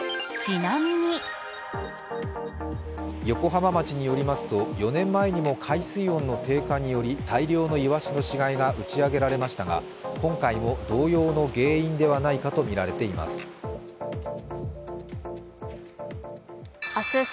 横浜町によりますと、４年前にも海水温の低下により、大量のいわしの死骸がうちあげられましたが今回も同様の原因ではないかとみられています。